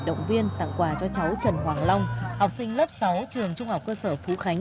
động viên tặng quà cho cháu trần hoàng long học sinh lớp sáu trường trung học cơ sở phú khánh